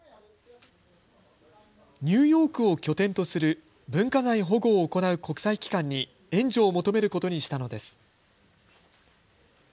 ニューヨークを拠点とする文化財保護を行う国際機関に援助を求めることにしたのです。